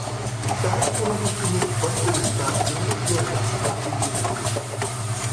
شەھەر قۇرۇلۇشىنى باشقۇرۇشتا يېڭىلىق يارىتىشنى ئىلگىرى سۈرۈش.